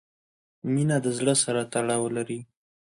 • مینه د زړۀ سره تړاو لري.